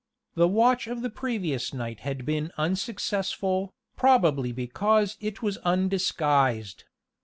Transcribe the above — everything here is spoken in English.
The watch of the previous night had been unsuccessful, probably because it was undisguised.